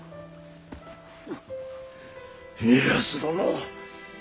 家康殿。